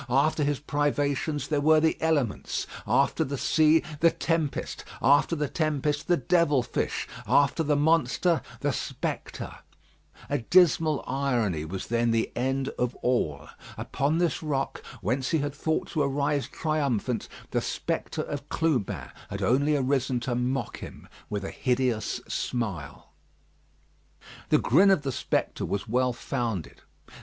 After his privations there were the elements; after the sea the tempest, after the tempest the devil fish, after the monster the spectre. A dismal irony was then the end of all. Upon this rock, whence he had thought to arise triumphant, the spectre of Clubin had only arisen to mock him with a hideous smile. The grin of the spectre was well founded.